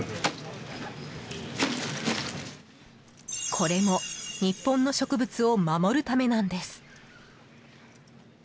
これも日本の植物を守るためなんです。